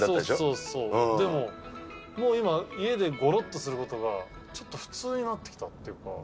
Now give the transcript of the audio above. そうそうそう、でも、もう今、家でごろっとすることが、ちょっと普通になってきたっていうか。